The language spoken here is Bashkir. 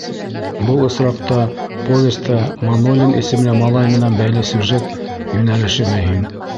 Был осраҡта повеста Манолин исемле малай менән бәйле сюжет йүнәлеше мөһим.